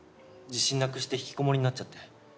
自信なくして引きこもりになっちゃって。